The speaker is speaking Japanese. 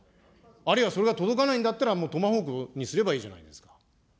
あるいはそれが届かないんだったら、トマホークにすればいいじゃないですか。